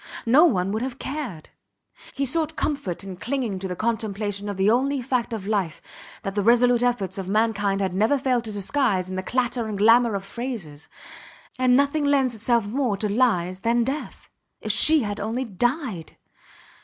No one would have cared. He sought comfort in clinging to the contemplation of the only fact of life that the resolute efforts of mankind had never failed to disguise in the clatter and glamour of phrases. And nothing lends itself more to lies than death. If she had only died!